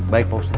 baik pak ustadz